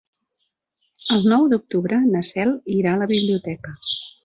El nou d'octubre na Cel irà a la biblioteca.